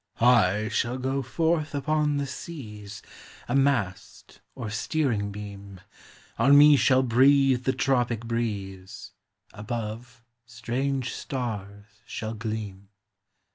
"I shall go forth upon the seas, A mast, or steering beam; On me shall breathe the tropic breeze, Above, strange stars shall gleam.'